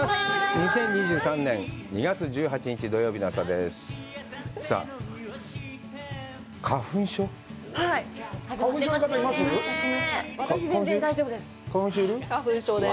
２０２３年２月１８日、土曜日の朝です。